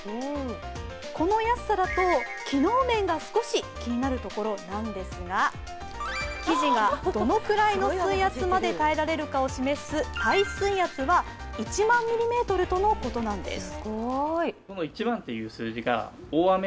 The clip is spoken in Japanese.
この安さだと機能面が少し気になるところなんですが生地がどのくらいの水圧まで耐えられるかを示す耐水圧は１万ミリメートルとのことなんです